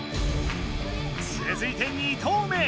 つづいて２投目。